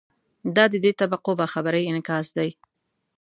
دا د دې طبقو باخبرۍ انعکاس دی.